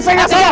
saya gak salah